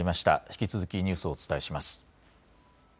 引き続きニュースをお伝えします。